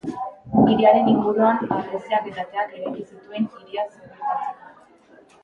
Hiriaren inguruan harresiak eta ateak eraiki zituen hiria segurtatzeko.